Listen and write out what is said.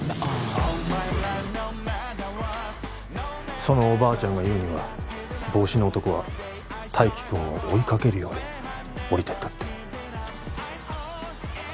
そのおばあちゃんが言うには帽子の男は泰生君を追いかけるように降りてったって。